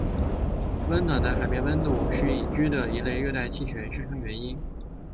温暖的海面温度是已知的一类热带气旋生成原因。